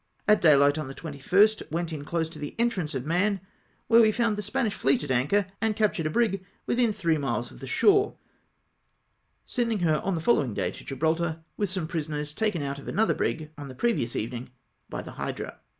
At daylight on the 21st went in close to the entrance of Mahon, where we found the Spanish fleet at anchor, and captured a brig within three miles of the shore, sending her on the following RLOW UP A TOWER AT MINORCA. 245 day to Gibraltar, witli some prisoners taken out of another brig on the previous evening by the Hydra.